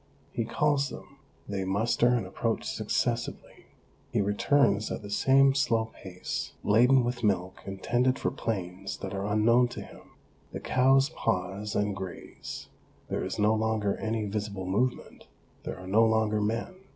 He calls them ; they muster and approach successively. He returns at the same slow pace, laden with milk intended for plains that are unknown to him. The cows pause and graze; there is no longer any visible movement, there are no longer men.